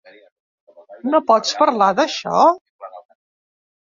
No pots parlar d’això?